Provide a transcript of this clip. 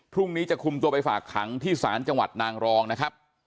พรุ่งนี้จะคุมตัวไปฝากขังที่ศาลจังหวัดนางรองนะครับ